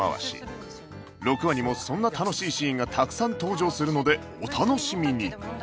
６話にもそんな楽しいシーンがたくさん登場するのでお楽しみに